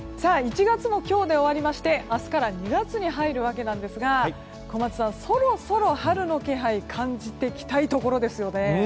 １月も今日で終わりまして明日から２月に入るわけですが小松さん、そろそろ春の気配を感じてきたいところですよね。